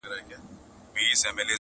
ویل خدایه تا ویل زه دي پالمه.!